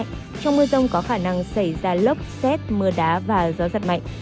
trong mưa rông có khả năng xảy ra lốc xét mưa đá và gió giật mạnh